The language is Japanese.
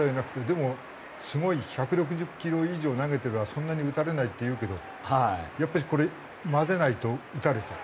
でもすごい１６０キロ以上を投げてればそんなに打たれないっていうけどやっぱりこれ交ぜないと打たれちゃう？